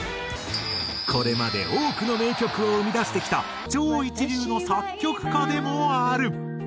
これまで多くの名曲を生み出してきた超一流の作曲家でもある。